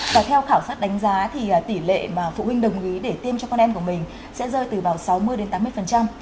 và theo khảo sát đánh giá thì tỷ lệ mà phụ huynh đồng ý để tiêm cho con em của mình sẽ rơi từ bào sáu mươi đến tám mươi